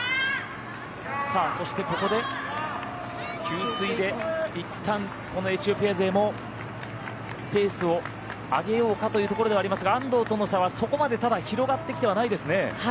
そしてここで、給水でいったんこのエチオピア勢もペースを上げようかというところではありますが安藤との差はそこまでただ、広がってきてはないですね。